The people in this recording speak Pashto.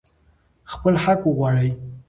خپل حق وغواړئ.